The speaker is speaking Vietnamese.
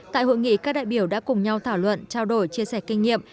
tại hội nghị các đại biểu đã cùng nhau thảo luận trao đổi chia sẻ kinh nghiệm